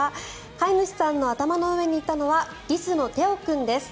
飼い主さんの頭の上にいたのはリスのテオ君です。